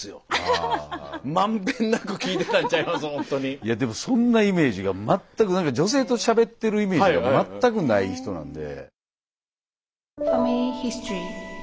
いやでもそんなイメージが全く何か女性としゃべってるイメージが全くない人なんで。